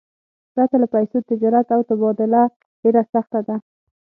پرته له پیسو، تجارت او تبادله ډېره سخته ده.